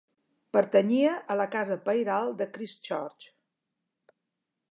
Pertanyia a la casa pairal de Christchurch.